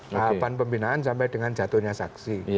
tahapan pembinaan sampai dengan jatuhnya saksi